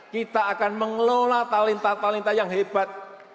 kita akan mengelola talenta talenta yang hebat